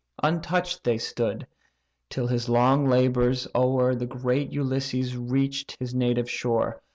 Untouch'd they stood, till, his long labours o'er, The great Ulysses reach'd his native shore.